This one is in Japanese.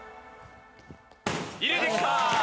入れてきた！